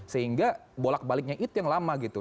sehingga bolak baliknya itu yang lama gitu